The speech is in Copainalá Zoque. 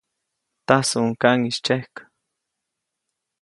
Tajsuʼuŋ kaŋʼis tsyejk.